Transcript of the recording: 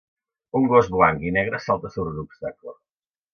Un gos blanc i negre salta sobre un obstacle.